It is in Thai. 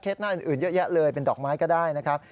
หน้าอื่นเยอะแยะเลยเป็นดอกไม้ก็ได้นะครับ